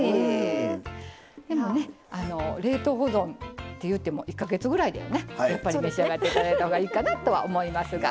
でもね冷凍保存っていうても１か月ぐらいでね召し上がって頂いたほうがいいかなとは思いますが。